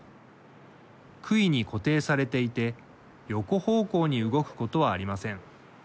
くいに固定されていて横方向に動くことはありません。